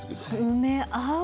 梅合う。